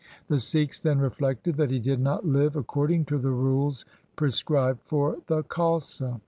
The Sikhs then reflected that he did not live ac cording to the rules prescribed for the Khalsa.